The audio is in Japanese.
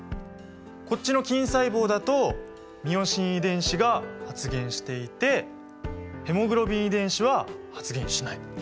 こっちの筋細胞だとミオシン遺伝子が発現していてヘモグロビン遺伝子は発現しない。